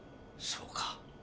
そうか。